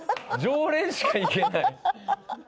常連しか行けない。